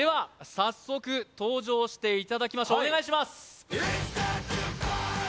早速登場していただきましょうお願いします